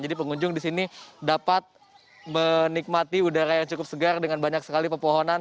jadi pengunjung disini dapat menikmati udara yang cukup segar dengan banyak sekali pepohonan